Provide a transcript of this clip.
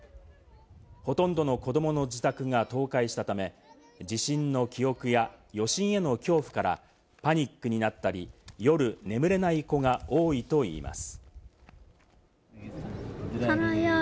ほとんどの子どもの自宅が倒壊したため、地震の記憶や余震への恐怖からパニックになったり、夜眠れない子が多いといいます。